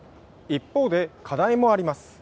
一方で課題もあります。